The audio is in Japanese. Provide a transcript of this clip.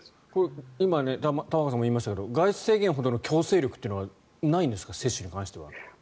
これは今玉川さんも言いましたけど外出制限ほどの強制力はないんですか、接種に関しては。